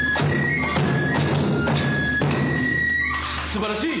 すばらしい！